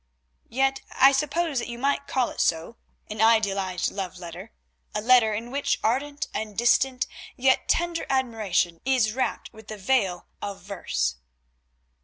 "Yet I suppose that you might call it so, an idealised love letter, a letter in which ardent and distant yet tender admiration is wrapt with the veil of verse."